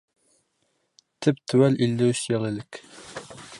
Теп-теүәл илле өс йыл элек.